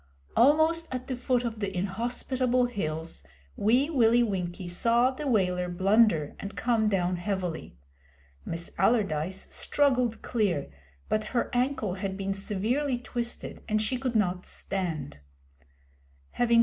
Almost at the foot of the inhospitable hills, Wee Willie Winkie saw the Waler blunder and come down heavily. Miss Allardyce struggled clear, but her ankle had been severely twisted, and she could not stand.